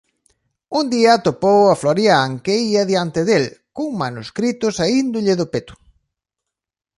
Un día atopou a Florian que ía diante del, cun manuscrito saíndolle do peto.